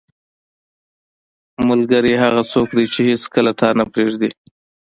• ملګری هغه څوک دی چې هیڅکله تا نه پرېږدي.